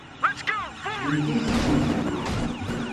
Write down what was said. D nekk ay t-id-igan.